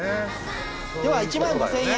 では１万５，０００円。